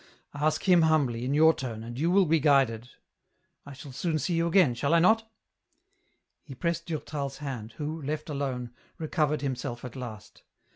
Ask Him humbly, in your turn, and you will be guided. I shall soon see you again, shall I not ?" He pressed Durtal's hand, who, left alone, recovered himself at last.